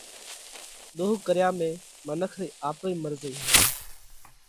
ۮوه ڪريا ۾ منک رئِي آپرئِي مرضئِي هوئه۔